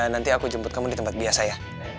nanti aku jemput kamu di tempat biasa ya